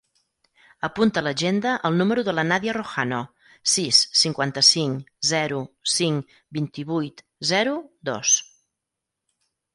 Apunta a l'agenda el número de la Nàdia Rojano: sis, cinquanta-cinc, zero, cinc, vint-i-vuit, zero, dos.